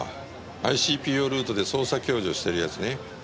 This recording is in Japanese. ああＩＣＰＯルートで捜査共助をしてるやつね。